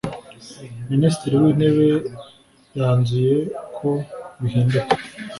Minisitiri wintebe yanzuye ko bihinduka